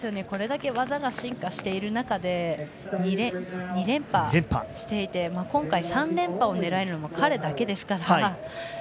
これだけ技が進化している中で２連覇していて今回、３連覇を狙えるのは彼だけですから。